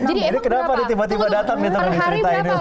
jadi kenapa tiba tiba datang nih teman teman ceritain